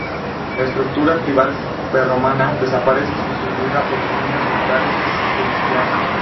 La estructura tribal prerromana desaparece sustituida por familias nucleares cristianas.